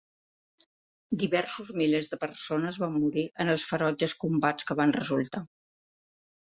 Diversos milers de persones van morir en els ferotges combats que van resultar.